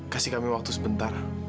kasih kami waktu sebentar